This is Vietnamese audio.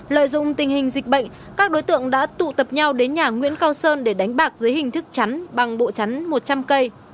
lợi dụng tình hình dịch bệnh các đối tượng đã tụ tập nhau đến nhà nguyễn cao sơn để đánh bạc dưới hình thức chắn bằng bộ chắn một trăm linh cây